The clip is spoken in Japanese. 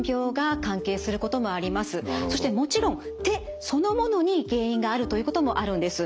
そしてもちろん手そのものに原因があるということもあるんです。